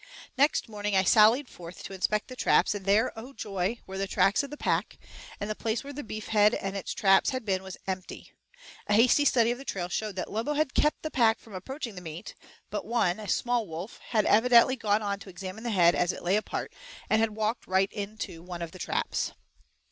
Next morning, I sallied forth to inspect the traps, and there, oh, joy! were the tracks of the pack, and the place where the beef head and its traps had been was empty. A hasty study of the trail showed that Lobo had kept the pack from approaching the meat, but one, a small wolf, had evidently gone on to examine the head as it lay apart and had walked right into one of the traps.